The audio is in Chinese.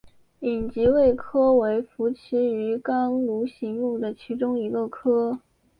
隐棘鳚科为辐鳍鱼纲鲈形目的其中一个科。